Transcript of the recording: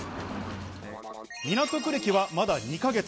港区歴はまだ２ヶ月。